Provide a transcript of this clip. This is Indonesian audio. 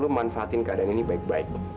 loh aku bisa ada di sini sih